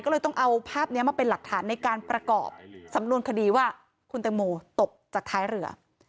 ก็เลยต้องเอาภาพนี้มาเป็นหลักฐานในการประกอบสำนวนคดีว่าคุณแตงโมตกจากท้ายเรือ